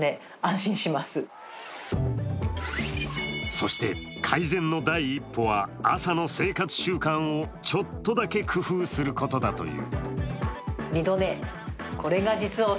そして、改善の第一歩は朝の生活習慣をちょっとだけ工夫することだという。